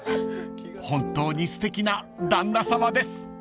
［本当にすてきな旦那さまです］